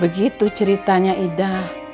gitu ceritanya ida